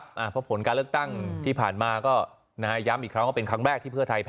เพราะผลการเลือกตั้งที่ผ่านมาก็นะฮะย้ำอีกครั้งว่าเป็นครั้งแรกที่เพื่อไทย